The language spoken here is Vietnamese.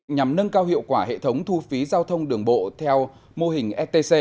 nhằm nâng cao hiệu quả hệ thống thu phí giao thông đường bộ theo mô hình stc